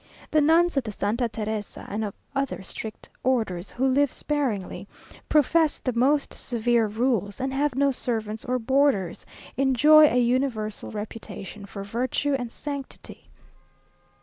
The nuns of the Santa Teresa and of other strict orders, who live sparingly, profess the most severe rules, and have no servants or boarders, enjoy a universal reputation for virtue and sanctity.